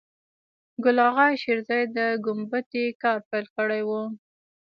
ګل آغا شېرزی د ګومبتې کار پیل کړی و.